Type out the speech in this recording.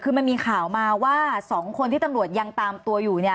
คือมันมีข่าวมาว่า๒คนที่ตำรวจยังตามตัวอยู่เนี่ย